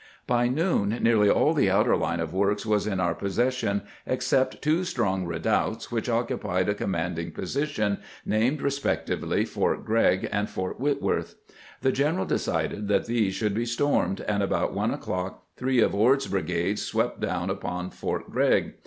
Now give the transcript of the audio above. By noon nearly all the outer line of works was in our possession, except two strong redoubts which occupied 448 CAMPAIGNING WITH GEANT a commanding position, named respectively Port Gregg and Fort WMtworth. The general decided 'that these should be stormed, and about one o'clock three of Ord's brigades swept down upon Fort Grregg.